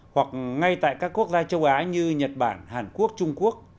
hoặc ngay tại các quốc gia châu á như nhật bản hàn quốc trung quốc